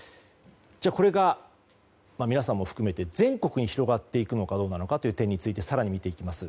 これが皆さんも含めて全国に広がっていくのかどうなのかという点について更に見ていきます。